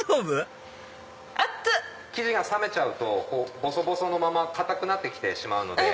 生地が冷めちゃうとボソボソのまま固くなって来てしまうので。